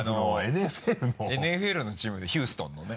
ＮＦＬのチームでヒューストンのね。